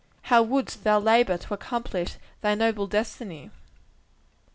How wouldst thou labor to accomplish thy noble destiny.